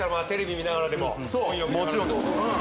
もちろんでございます